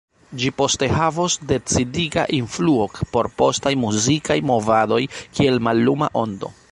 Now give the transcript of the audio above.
Ĝi poste havos decidiga influo por postaj muzikaj movadoj kiel malluma ondo.